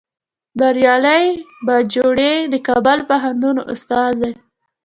بریالی باجوړی د کابل پوهنتون استاد دی